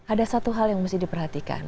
ada satu hal yang mesti diperhatikan